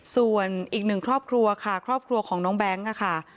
ส่วนอีกหนึ่งครอบครัวค่ะครอบครัวของน้องแบงค์ค่ะ